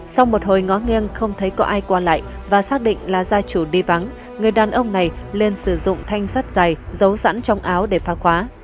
sau một hồi ngó nghiêng không thấy có ai qua lại và xác định là gia chủ đi vắng người đàn ông này lên sử dụng thanh sắt dày dấu sẵn trong áo để pha khóa